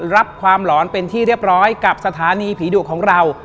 รับความหลอนเป็นที่เรียบร้อยกับสถานีผีดุของเรา